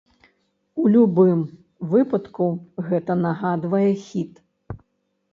У любым выпадку гэта нагадвае хіт!